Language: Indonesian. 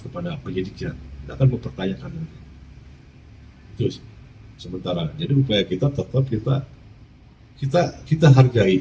kepada penyidiknya akan mempertanyakan terus sementara jadi upaya kita tetap kita kita hargai